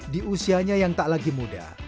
di usianya yang tak lagi muda